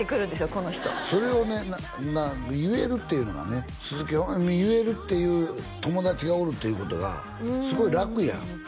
この人それをね言えるっていうのがね鈴木保奈美に言えるっていう友達がおるっていうことがすごい楽やん